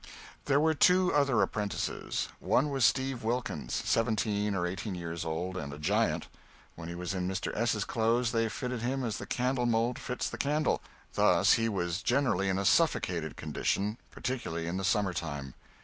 There were two other apprentices. One was Steve Wilkins, seventeen or eighteen years old and a giant. When he was in Mr. S.'s clothes they fitted him as the candle mould fits the candle thus he was generally in a suffocated condition, particularly in the summer time.